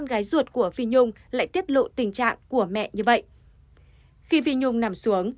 hay mỗi lần gặp phải cảm ơn